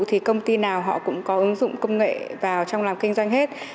thì công ty nào họ cũng có ứng dụng công nghệ vào trong làm kinh doanh hết